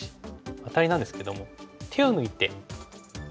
アタリなんですけども手を抜いてこちらに向かう。